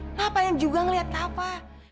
kenapa juga ngeliat apa